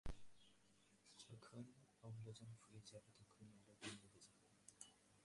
যখনই অম্লজান ফুরিয়ে যাবে, তখনই আলোটাও নিবে যাবে।